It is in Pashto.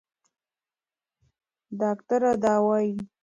ډاکټره دا وايي.